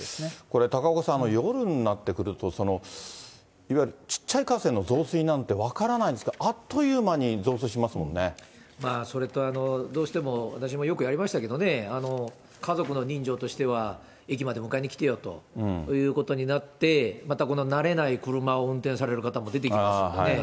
これ、高岡さん、夜になって降ると、いわゆるちっちゃい河川の増水なんて分からないですから、あっとそれと、どうしても私もよくやりましたけどね、家族の人情としては、駅まで迎えに来てよということになって、またこの慣れない車を運転される方も出てきますよね。